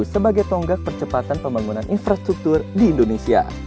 sebagai tonggak percepatan pembangunan infrastruktur di indonesia